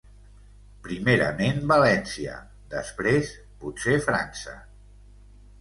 Primerament València, després potser França...